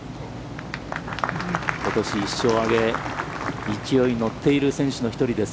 ことし１勝を上げ、勢いに乗っている選手の１人です。